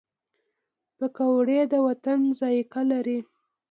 پکورې د وطن ذایقه لري